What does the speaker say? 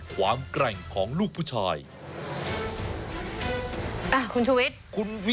ความแกร่งของลูกผู้ชายอ่ะคุณชุวิต